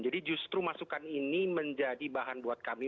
jadi justru masukan ini menjadi bahan buat kami